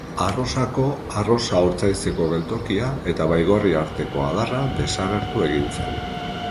Arrosako Arrosa-Ortzaizeko geltokia eta Baigorri arteko adarra desagertu egin zen.